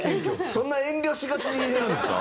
そんな遠慮しがちなんですか？